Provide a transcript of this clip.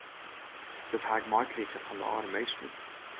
Dat ha ik meikrige fan de âlde minsken.